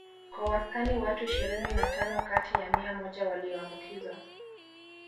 Kwa wastani watu ishirini na tano kati ya mia moja walioambukizwa